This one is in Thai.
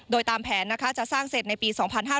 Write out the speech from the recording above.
โดยตามแผนจะสร้างเสร็จในปี๒๕๕๙